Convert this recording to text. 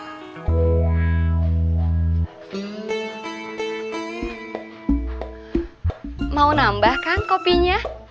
hai mau nambahkan kopinya